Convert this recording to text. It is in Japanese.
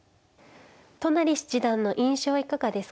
都成七段の印象はいかがですか。